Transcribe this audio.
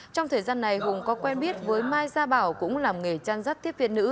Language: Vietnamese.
trong thời gian này hùng có quen biết với mai gia bảo cũng làm nghề trang giáp thiết viên nữ